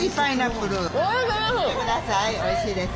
おいしいです。